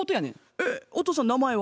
えっ弟さん名前は？